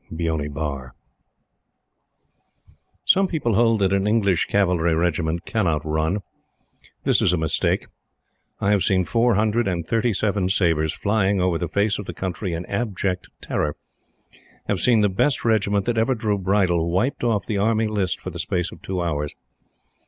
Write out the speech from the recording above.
Beoni Bar. Some people hold that an English Cavalry regiment cannot run. This is a mistake. I have seen four hundred and thirty seven sabres flying over the face of the country in abject terror have seen the best Regiment that ever drew bridle, wiped off the Army List for the space of two hours.